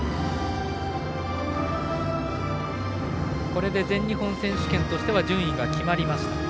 これで全日本選手権としては順位が決まりました。